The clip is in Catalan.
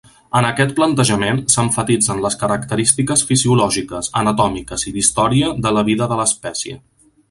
En aquest plantejament es emfatitzen les característiques fisiològiques, anatòmiques i d'història de la vida de l'espècie.